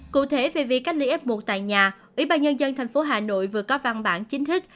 cụ thể về việc cách ly f một tại nhà ủy ban nhân dân thành phố hà nội vừa có văn bản chính thức